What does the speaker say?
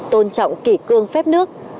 tôn trọng kỷ cương phép nước